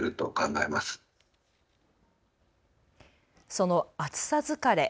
その暑さ疲れ。